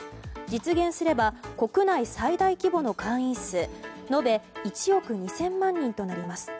実現すれば国内最大規模の会員数延べ１億２０００万人となります。